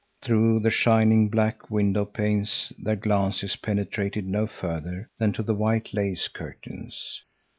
Through the shining, black window panes their glances penetrated no further than to the white lace curtains.